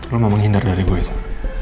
lo mau menghindar dari gue sih